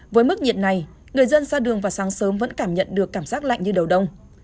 với mức nhiệt này người dân ra đường vào sáng sớm vẫn cảm nhận được cảm giác lạnh như đầu đông